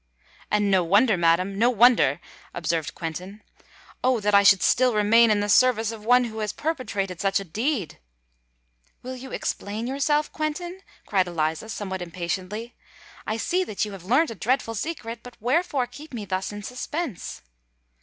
"And no wonder, madam—no wonder!" observed Quentin. "Oh! that I should still remain in the service of one who has perpetrated such a deed!" "Will you explain yourself, Quentin?" cried Eliza, somewhat impatiently. "I see that you have learnt a dreadful secret: but wherefore keep me thus in suspense?"